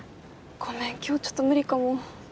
ごめん今日ちょっと無理かも。